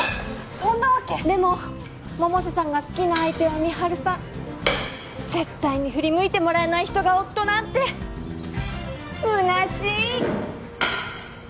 そんなわけでも百瀬さんが好きな相手は美晴さん絶対に振り向いてもらえない人が夫なんてむなしい！